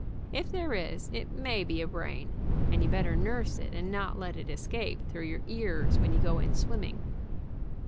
If there is, it may be brain, and you better nurse it and not let it escape through your ears when you go in swim ming.